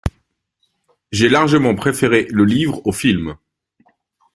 J’ai largement préféré le livre au film.